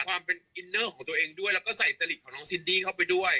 ความเป็นอินเนอร์ของตัวเองด้วยแล้วก็ใส่จริตของน้องซินดี้เข้าไปด้วย